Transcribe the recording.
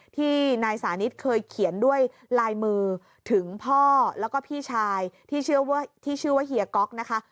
ที่นายสานิทเคยเขียนด้วยลายมือถึงพ่อแล้วก็พี่ชายที่ชื่อว่าเฮียก๊อกนะคะ